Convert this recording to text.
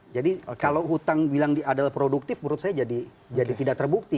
jadi kalau utang bilang adalah produktif menurut saya jadi tidak terbukti